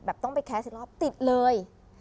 แบบต้องไปแคสติดรอบติดเลย